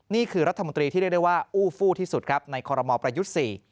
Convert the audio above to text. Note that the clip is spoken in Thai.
นี่คือรัฐมนตรีที่เรียกได้ว่าอู้ฟู้ที่สุดครับในคอรมอลประยุทธ์๔